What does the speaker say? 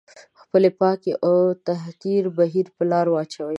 د خپلې پاکي او تطهير بهير په لار واچوي.